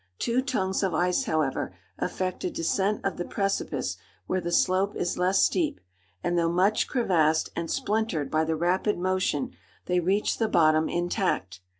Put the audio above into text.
Two tongues of ice, however, effect a descent of the precipice where the slope is less steep, and though much crevassed and splintered by the rapid motion, they reach the bottom intact.